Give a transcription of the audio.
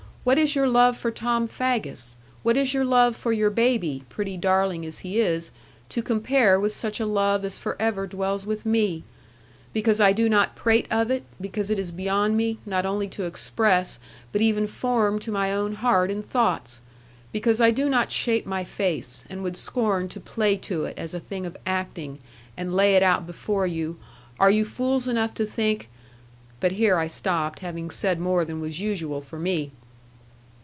What is your love for Tom Faggus? What is your love for your baby (pretty darling as he is) to compare with such a love as for ever dwells with me? Because I do not prate of it; because it is beyond me, not only to express, but even form to my own heart in thoughts; because I do not shape my face, and would scorn to play to it, as a thing of acting, and lay it out before you, are you fools enough to think ' but here I stopped, having said more than was usual with me.